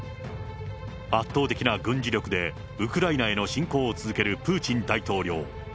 圧倒的な軍事力で、ウクライナへの侵攻を続けるプーチン大統領。